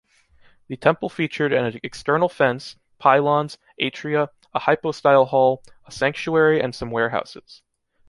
The temple featured an external fence, pylons, atria, a hypostyle hall, a sanctuary and some warehouses.